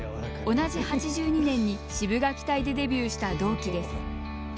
同じ８２年にシブがき隊でデビューした同期です。